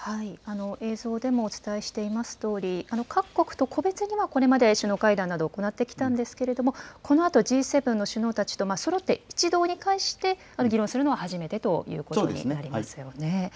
映像でもお伝えしていますとおり、各国と個別にはこれまで首脳会談などは行ってきたんですが、このあとＧ７の首脳たちとそろって一堂に会して議論するのは初めそうですね。